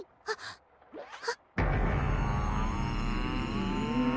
はっ！あっ。